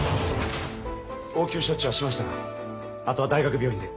応急処置はしましたがあとは大学病院で。